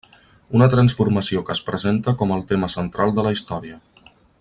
Una transformació que es presenta com el tema central de la història.